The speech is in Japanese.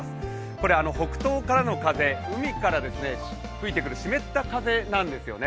これ北東からの風、海から吹いてくる湿った風なんですよね。